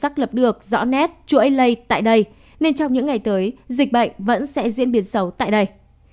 xác lập được rõ nét chuỗi lây tại đây nên trong những ngày tới dịch bệnh vẫn sẽ diễn biến xấu tại đây